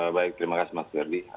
baik terima kasih mas ferdi